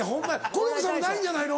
コロッケさんもないんじゃないの？